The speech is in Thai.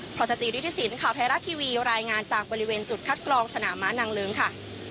พรสจิริฐศิลป์ข่าวไทยรัฐทีวีรายงานจากบริเวณจุดคัดกรองสนามม้านางเลิ้งค่ะ